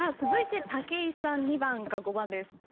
続いて武井さん２番か５番です。